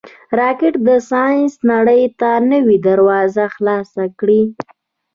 راکټ د ساینس نړۍ ته نوې دروازه خلاصه کړې